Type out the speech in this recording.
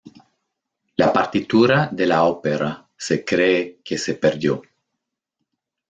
La partitura de la ópera se cree que se perdió.